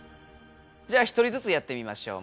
じゃあ１人ずつやってみましょう。